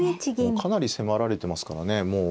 かなり迫られてますからねもう。